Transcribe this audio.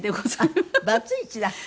バツイチだっけ？